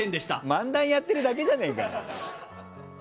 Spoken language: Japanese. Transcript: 漫談やってるだけじゃねえか！